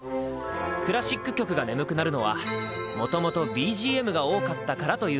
クラシック曲が眠くなるのはもともとＢＧＭが多かったからというわけ。